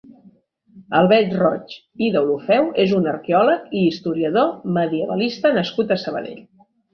Albert Roig i Deulofeu és un arqueòleg i historiador medievalista nascut a Sabadell.